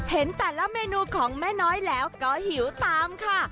เห็นแต่ละเมนูของแม่น้อยแล้วก็หิวตามค่ะ